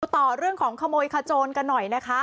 ต่อเรื่องของขโมยขโจนกันหน่อยนะคะ